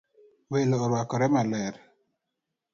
Welo orwakore maler